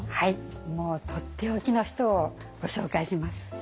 もうとっておきの人をご紹介します。